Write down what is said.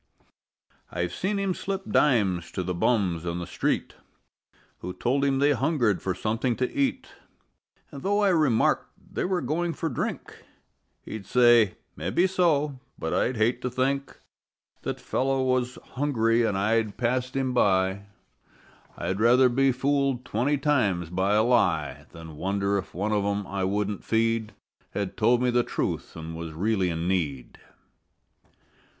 I've seen him slip dimes to the bums on the street Who told him they hungered for something to eat, An' though I remarked they were going for drink He'd say: "Mebbe so. But I'd just hate to think That fellow was hungry an' I'd passed him by; I'd rather be fooled twenty times by a lie Than wonder if one of 'em I wouldn't feed Had told me the truth an' was really in need."